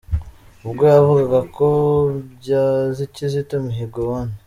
Ubwo yavugaga ku bya Kizito Mihigo, Hon.